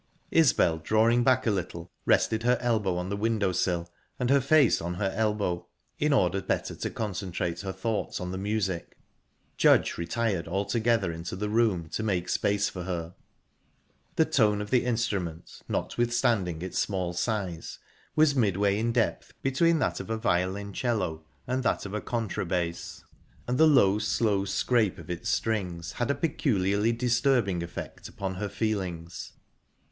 Isbel, drawing back a little, rested her elbow on the window sill and her face on her elbow, in order better to concentrate her thoughts on the music. Judge retired altogether into the room, to make space for her. The tone of the instrument, notwithstanding its small size, was midway in depth between that of a violoncello and that of a contra bass, and the low, slow scrape of its strings had a peculiarly disturbing effect upon her feelings.